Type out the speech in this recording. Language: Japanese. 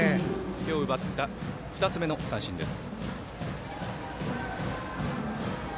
今日奪った２つ目の三振です。